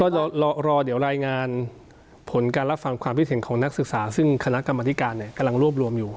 จะรอเดี๋ยวรายงานผลการรับฟังความคิดเห็นของนักศึกษาซึ่งคณะกรรมธิการกำลังรวบรวมอยู่